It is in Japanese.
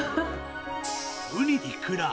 ウニ、イクラ。